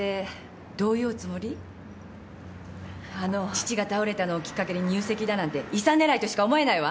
父が倒れたのをきっかけに入籍だなんて遺産狙いとしか思えないわ。